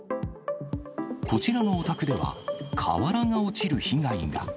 こちらのお宅では、瓦が落ちる被害が。